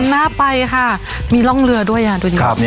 น่าไปค่ะมีร่องเรือด้วยอ่ะดูดิน่ารักมาก